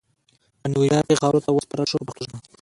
په نیویارک کې خاورو ته وسپارل شو په پښتو ژبه.